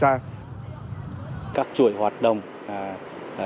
các chuỗi hoạt động của festival này là một trong số hoạt động tốt nhất cho du khách tham gia